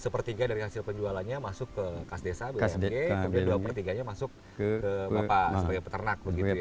satu per tiga dari hasil penjualannya masuk ke kas desa bumg dua per tiga nya masuk ke peternak